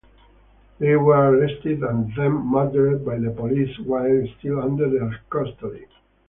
They were arrested and then murdered by the police while still under their custody.